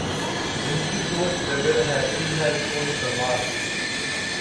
زندگی سوز جگر ہے ،علم ہے سوز دماغ